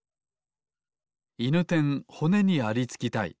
いぬてんほねにありつきたい。